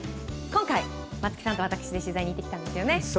今回、松木さんと私で取材に行ってきたんですよね。